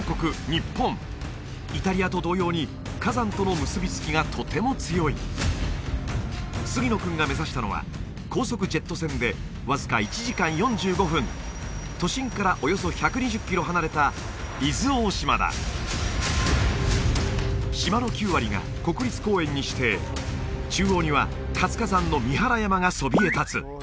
日本イタリアと同様に火山との結びつきがとても強い杉野君が目指したのは高速ジェット船でわずか１時間４５分都心からおよそ１２０キロ離れた伊豆大島だ島の９割が国立公園に指定中央には活火山の三原山がそびえ立つ